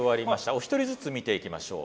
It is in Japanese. お一人ずつ見ていきましょう。